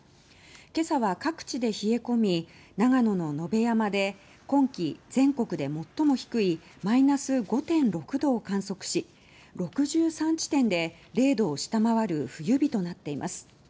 今朝は各地で冷え込み長野の野辺山で今季全国で最も低いマイナス５．６度を観測し６３地点で０度を下回る冬日となっています。